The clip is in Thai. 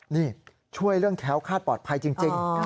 นี่ช่วยเรื่องแค้วคาดปลอดภัยจริง